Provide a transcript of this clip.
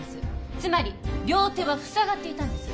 つまり両手はふさがっていたんです。